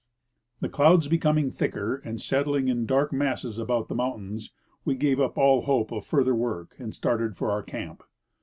The clouds becoming thicker and settling in dark masses about the mountains, we gave up all hope of further work and started for our camp.